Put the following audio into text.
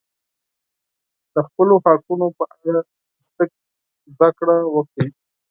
د خپلو حقونو په اړه زده کړه وکړئ.